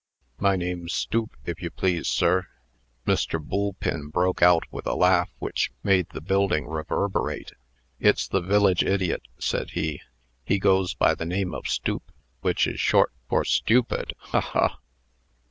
"My name's Stoop, if you please, sir." Mr. Boolpin broke out with a laugh, which made the building reverberate. "It's the village idiot," said he. "He goes by the name of Stoop, which is short for Stupid. Ha! ha!